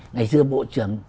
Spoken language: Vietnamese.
ngày xưa bộ trưởng